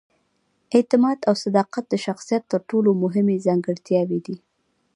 اعتماد او صداقت د شخصیت تر ټولو مهمې ځانګړتیاوې دي.